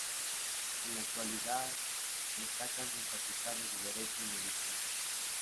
En la actualidad destacan sus facultades de derecho y medicina.